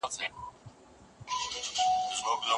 افغان کارګران خپلواکي سیاسي پریکړي نه سي کولای.